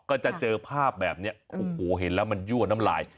ก็จะเจอภาพแบบนี้โอ้โหเห็นแล้วมันยั่วน้ำลาย